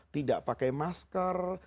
tidak pakai masker